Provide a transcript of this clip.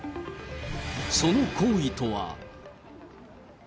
その行為とは。